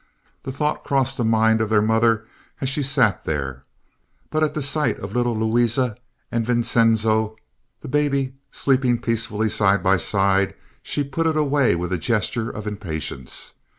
The thought crossed the mind of their mother as she sat there, but at the sight of little Louisa and Vincenzo, the baby, sleeping peacefully side by side, she put it away with a gesture of impatience.